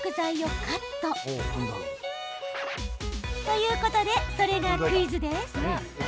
ということで、それがクイズです。